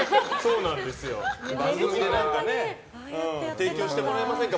提供してもらえませんか？